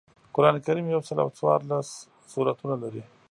قران کریم یوسل او څوارلس سورتونه لري